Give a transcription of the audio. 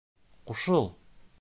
Ҡушыл!